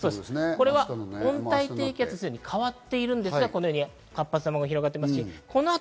温帯低気圧にすでに変わっているんですが、このように活発な雨雲が広がっています。